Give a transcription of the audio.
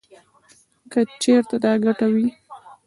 کـه چـېرتـه دا ګـټـه وې.